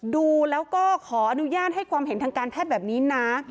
ดูแล้วก็ขออนุญาตให้ความเห็นทางการแพทย์แบบนี้นะ